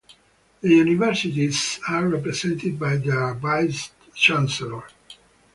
The universities are represented by their vice-chancellors.